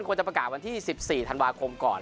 ควรจะประกาศวันที่๑๔ธันวาคมก่อน